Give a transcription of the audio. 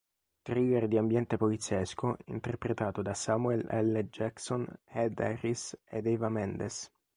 Thriller di ambiente poliziesco interpretato da Samuel L. Jackson, Ed Harris, ed Eva Mendes.